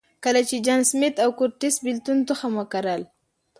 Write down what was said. کله چې جان سمېت او کورټس بېلتون تخم وکرل.